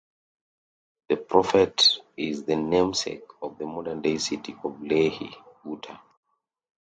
The prophet is the namesake of the modern-day city of Lehi, Utah.